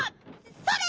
それ！